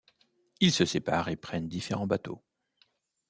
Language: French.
Ils se séparent et prennent différents bateaux.